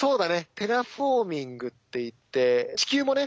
テラフォーミングっていって地球もね